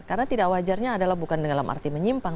karena tidak wajarnya adalah bukan dalam arti menyimpang